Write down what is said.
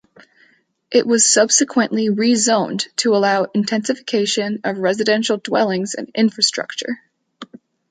It was subsequently rezoned to allow intensification of residential dwellings and infrastructure.